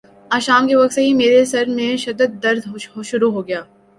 آج شام کے وقت سے ہی میرے سر میں شدد درد شروع ہو گیا۔